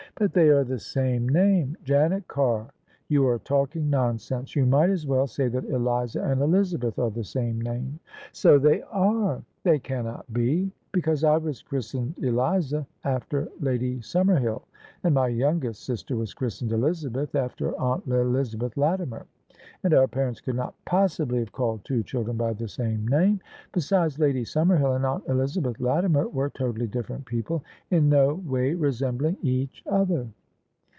" But they are the same name." "Janet Carr, you are talking nonsense. You might as well say that Eliza and Elizabeth are the same name." " So they are." "They cannot be: because I was christened Eliza after Lady Summerhill, and my youngest sister was christened Elizabeth after aunt Elizabeth Latimer; and our parents could not possibly have called two children by the same name. Besides Lady Summerhill and aunt Elizabeth Lati mer were totally different people, in no way resembling each other."